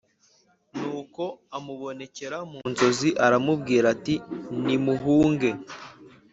nuko amubonekera mu nzozi aramubwira ati nimuhunge